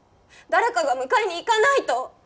誰かが迎えに行かないと！